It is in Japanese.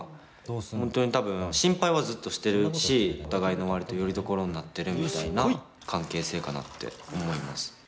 本当に多分心配はずっとしてるしお互いの割とよりどころになってるみたいな関係性かなって思います。